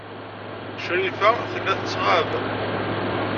Crifa tella tettɣab.